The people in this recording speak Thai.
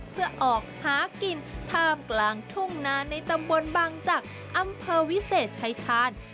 เพื่อออกหากินท่ามกลางทุ่งนาในตำบลบังจักรอำเภอวิเศษชายชาญ